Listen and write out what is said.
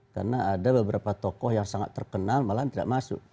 karena ada beberapa tokoh yang sangat terkenal malah tidak masuk